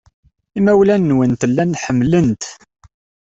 Imawlan-nwent llan ḥemmlen-t.